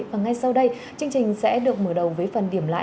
và ngay sau đây chương trình sẽ được mở đầu với phần điểm lại